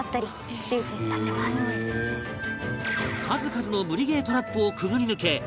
数々の無理ゲートラップをくぐり抜け